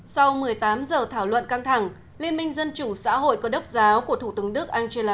sau một mươi tám giờ thảo luận căng thẳng liên minh dân chủ xã hội có đốc giáo của thủ tướng đức angela